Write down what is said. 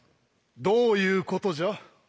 どういうことじゃ？